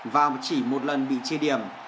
và chỉ một lần bị chia điểm